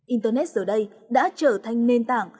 internet giờ đây đã trở thành nền tảng